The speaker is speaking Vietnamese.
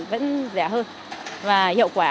vẫn rẻ hơn và hiệu quả